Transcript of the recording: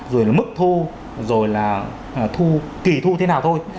rồi là mức thu rồi là thu kỳ thu thế nào thôi